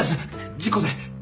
事故で。